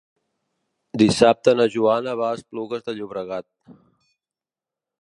Dissabte na Joana va a Esplugues de Llobregat.